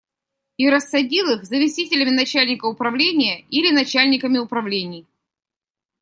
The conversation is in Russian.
И рассадил их заместителями начальника управления или начальниками управлений.